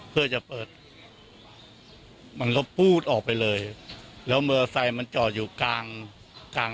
เพื่อจะเปิดมันก็ปูดออกไปเลยแล้วมอเตอร์ไซค์มันจอดอยู่กลางกลาง